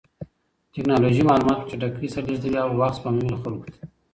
ټکنالوژي معلومات په چټکۍ سره لېږدوي او وخت سپموي خلکو ته.